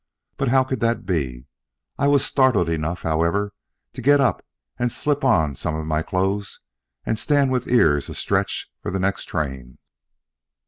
But how could that be! I was startled enough, however, to get up and slip on some of my clothes and stand with ears astretch for the next train.